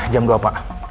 jam dua pak